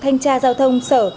thanh tra giao thông sở